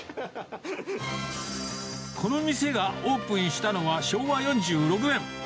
この店がオープンしたのは昭和４６年。